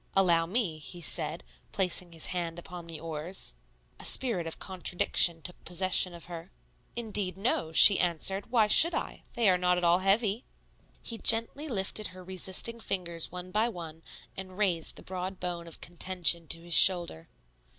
"Allow me," he said, placing his hand upon the oars. A spirit of contradiction took possession of her. "Indeed, no," she answered; "why should I? They are not at all heavy." He gently lifted her resisting fingers one by one and raised the broad bone of contention to his shoulder.